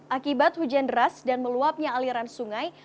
akibat hujan deras dan meluapnya aliran sungai